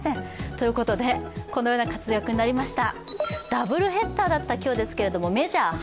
ということで、このような活躍になりました。